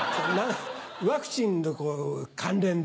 ワクチンのこう関連で。